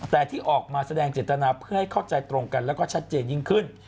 แต่ที่ออกมาแสดงเจตนาเพื่อให้เข้าใจตรงกันแล้วก็ชัดเจนยิ่งขึ้น